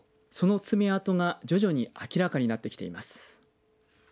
その爪痕が徐々に明らかになってきています。